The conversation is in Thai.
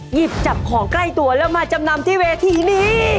หยิบจับของใกล้ตัวแล้วมาจำนำที่เวทีนี้